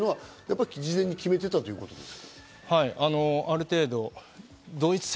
事前に決めていたということですか？